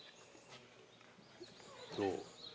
どう？